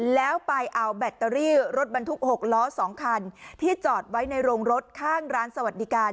แล้วไปเอาแบตเตอรี่รถบรรทุก๖ล้อ๒คันที่จอดไว้ในโรงรถข้างร้านสวัสดิการ